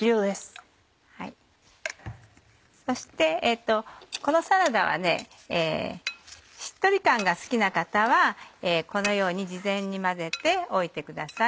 そしてこのサラダはしっとり感が好きな方はこのように事前に混ぜておいてください。